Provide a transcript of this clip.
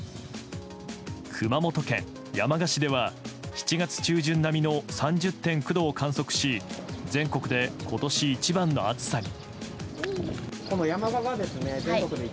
熊本県山鹿市では７月中旬並みの３０．９度を観測し全国で今年一番の暑さに。